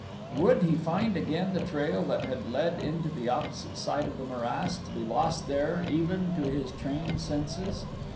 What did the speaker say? Would he find again the trail that had led into the opposite side of the morass, to be lost there, even to his trained senses?